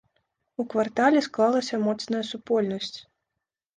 У квартале склалася моцная супольнасць.